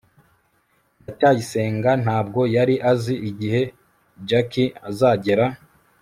ndacyayisenga ntabwo yari azi igihe jaki azagera